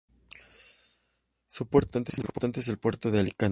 Su puerto más importante es el Puerto de Alicante.